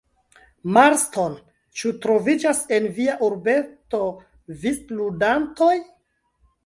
Marston, ĉu troviĝas en via urbeto vistludantoj?